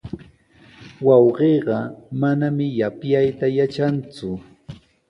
Wawqiiqa manami yapyayta yatranku.